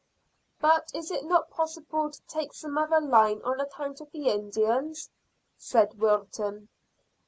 "But is it not possible to take some other line, on account of the Indians?" said Wilton.